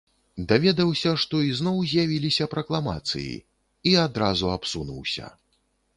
Даведаўся, што ізноў з'явіліся пракламацыі, і адразу абсунуўся.